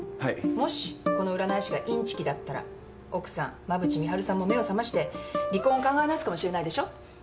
もしこの占い師がインチキだったら奥さん馬渕美晴さんも目を覚まして離婚を考え直すかもしれないでしょ。